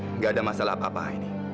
tidak ada masalah apa apa ini